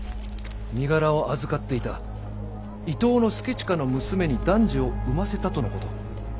身柄を預かっていた伊東祐親の娘に男児を産ませたとのこと。